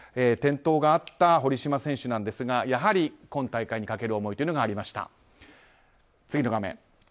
転倒があった堀島選手なんですがやはり、今大会にかける思いというのがありました。